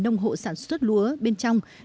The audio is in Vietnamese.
nông hộ sản xuất lúa bên trong